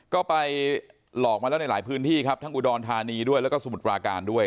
ก็ไปหลอกมาแล้วในหลายพื้นที่ครับทั้งอุดรธานีด้วยแล้วก็สมุทรปราการด้วย